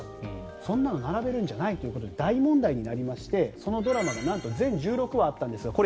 そんなの並べるんじゃないということで大問題になりましてそのドラマがなんと全１６話あったんですがこれ、